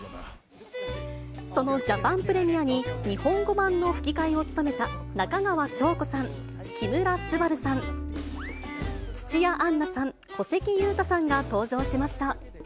そのジャパンプレミアに、日本語版の吹き替えを務めた中川翔子さん、木村昴さん、土屋アンナさん、小関裕太さんが登場しました。